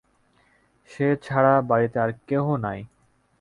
সে ছাড়া বাড়িতে আর কেহ নাই।